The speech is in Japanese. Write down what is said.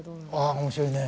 あ面白いね。